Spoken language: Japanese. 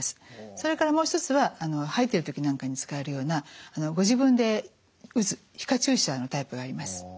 それからもう一つは吐いてる時なんかに使えるようなご自分で打つ皮下注射のタイプがあります。